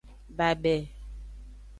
Babe.